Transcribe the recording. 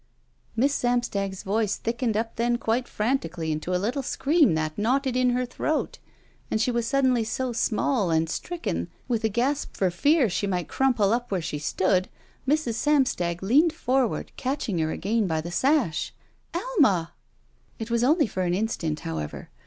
Miss Samstag's voice thickened up then quite frantically into a little scream that knotted in her throat, and she was suddenly so small and stricken that, with a gasp for fear she might crumple up where she stood, Mrs. Samstag leaned forward, catching her again by the sash. ''Ahna!" It was only for an instant, however.